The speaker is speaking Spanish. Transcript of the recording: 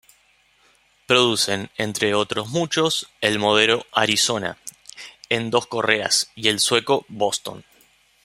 Producen, entre otros muchos, el modelo "Arizona", en dos correas y el sueco "Boston".